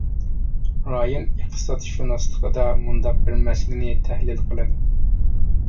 رايون ئىقتىسادشۇناسلىقىدا مۇنداق بىر مەسىلىنى تەھلىل قىلىدۇ.